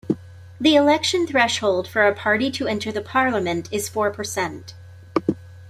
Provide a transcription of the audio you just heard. The election threshold for a party to enter the parliament is four per cent.